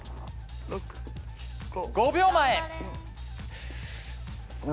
５秒前。